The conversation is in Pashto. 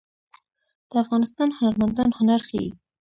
د افغانستان هنرمندان هنر ښيي